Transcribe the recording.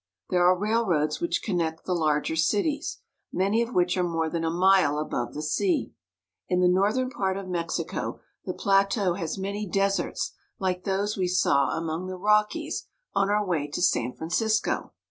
There are railroads which connect the larger cities, many of which are more than a mile above the sea. In the northern part of Mexico the plateau has many 334 MEXICO. deserts like those we saw among the Rockies on our way to San Francisco.